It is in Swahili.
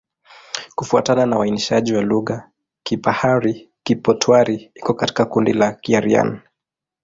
Kufuatana na uainishaji wa lugha, Kipahari-Kipotwari iko katika kundi la Kiaryan.